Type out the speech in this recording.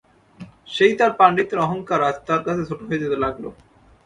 সেই তার পাণ্ডিত্যের অহংকার আজ তার কাছে খাটো হয়ে যেতে লাগল।